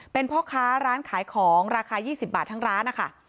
เป็นพ่อค้าร้านขายของราคา๒๐บาททั้งร้านนะคะ